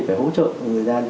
phải hỗ trợ người ta